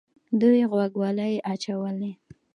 دوی غوږوالۍ اچولې